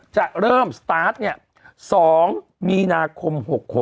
จะเริ่มสตาร์ทเนี่ย๒มีนาคม๖๖